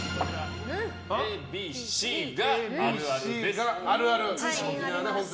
Ａ、Ｂ、Ｃがあるあるです。